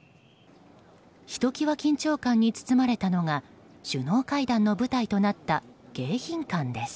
ひときわ緊張感に包まれたのが首脳会談の舞台となった迎賓館です。